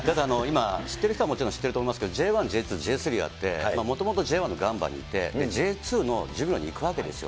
知ってる人はもちろん知ってると思いますけど、Ｊ１、Ｊ２、Ｊ３あって、もともとＪ１のガンバにいて、Ｊ２のジュビロに行くわけですよ。